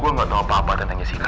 gue gak tau apa apa tentang jessica